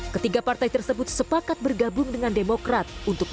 ketiga partai tersebut sepakat bergabung dengan demokrat